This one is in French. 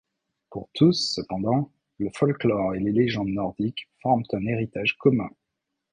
Pour tous, cependant, le folklore et les légendes nordiques forment un héritage commun.